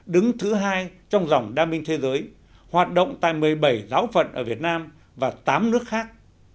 đứng thứ hai trong dòng đa minh thế giới hoạt động tại một mươi bảy giáo phận ở việt nam và tám nước khác